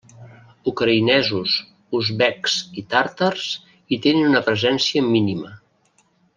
Ucraïnesos, uzbeks i tàrtars hi tenen una presència mínima.